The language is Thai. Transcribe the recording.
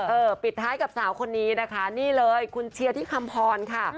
ปิดท้ายกับสาวคนนี้นะคะนี่เลยคุณเชียร์ที่คำพรค่ะ